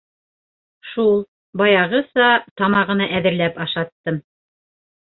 Шул, баяғыса, тамағына әҙерләп ашаттым.